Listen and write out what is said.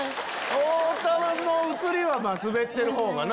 太田の映りはスベってる方がな。